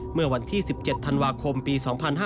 เมื่อวันที่๑๗ธันวาคมปี๒๕๕๙